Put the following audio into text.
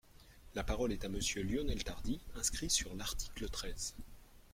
La parole est à Monsieur Lionel Tardy, inscrit sur l’article treize.